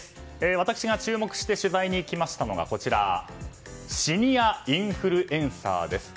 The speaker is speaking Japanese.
私が注目して取材に行きましたのがシニアインフルエンサーです。